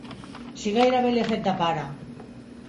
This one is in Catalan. Si gairebé li ha fet de pare.